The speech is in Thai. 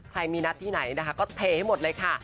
มีนัดที่ไหนนะคะก็เทให้หมดเลยค่ะ